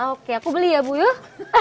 oke aku beli ya bu yuk